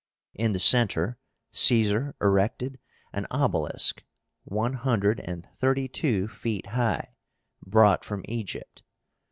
In the centre Caesar erected an obelisk one hundred and thirty two feet high, brought from Egypt.